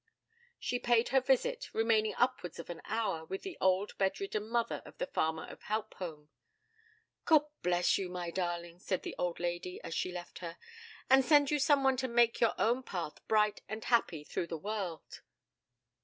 She paid her visit, remaining upwards of an hour with the old bedridden mother of the farmer of Helpholme. 'God bless you, my darling!' said the old lady as she left her; 'and send you someone to make your own path bright and happy through the world.'